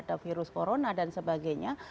jangan khawatir terhadap virus corona dan sebagainya